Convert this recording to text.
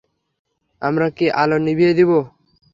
আমরা কি আলো নিভিয়ে দিব?